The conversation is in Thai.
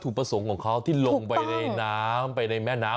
วัตถุประสงค์ของเขาที่ลงไปในแม่น้ำแบบนี้ถูกต้อง